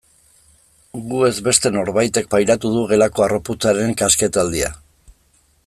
Gu ez beste norbaitek pairatu du gelako harroputzaren kasketaldia.